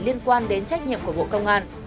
liên quan đến trách nhiệm của bộ công an